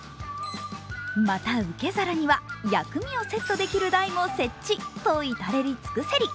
また、受け皿には薬味をセットできる台も設置と至れり尽くせり。